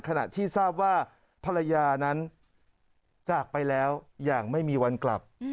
ขณะที่ทราบว่าภรรยานั้นจากไปแล้วอย่างไม่มีวันกลับ